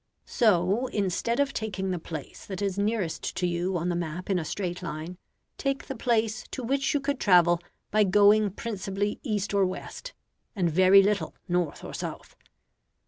So, instead of taking the place that is nearest to you on the map in a straight line, take the place to which you could travel by going principally east or west, and very little north or south.